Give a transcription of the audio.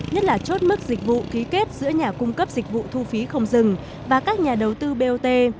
nhất là chốt mức dịch vụ ký kết giữa nhà cung cấp dịch vụ thu phí không dừng và các nhà đầu tư bot